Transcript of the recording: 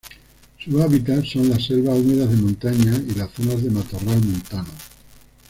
Sus hábitats son las selvas húmedas de montaña, y las zonas de matorral montano.